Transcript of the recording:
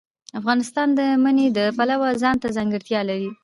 افغانستان د منی د پلوه ځانته ځانګړتیا لري.